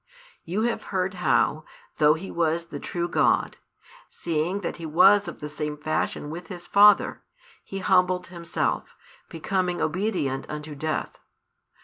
You have heard how, though He was the true God, seeing that He was of the same fashion with His Father, He humbled Himself, becoming obedient unto death.